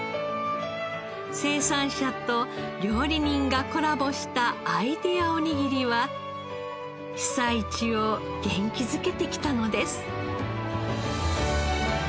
生産者と料理人がコラボしたアイデアおにぎりは被災地を元気づけてきたのです。